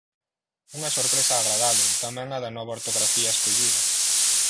Unha sorpresa agradábel, tamén a da nova ortografía escollida.